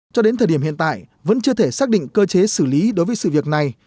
cho đến thời điểm hiện tại vẫn chưa thể xác định cơ chế xử lý đối với sự việc này